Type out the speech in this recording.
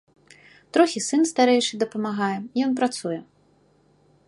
Трохі сын старэйшы дапамагае, ён працуе.